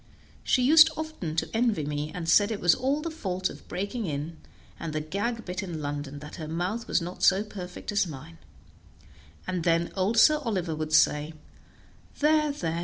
She used often to envy me, and said it was all the fault of breaking in, and the gag bit in London, that her mouth was not so perfect as mine; and then old Sir Oliver would say, "There, there!